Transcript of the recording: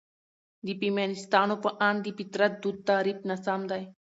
د فيمنستانو په اند: ''...د فطرت دود تعريف ناسم دى.